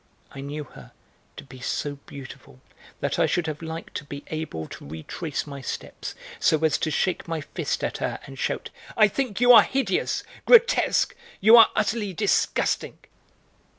I knew her to be so beautiful that I should have liked to be able to retrace my steps so as to shake my fist at her and shout, "I think you are hideous, grotesque; you are utterly disgusting!"